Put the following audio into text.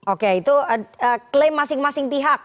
oke itu klaim masing masing pihak